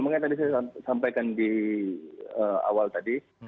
makanya tadi saya sampaikan di awal tadi